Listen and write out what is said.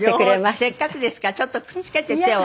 せっかくですからちょっとくっつけて手を。